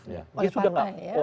dia sudah gak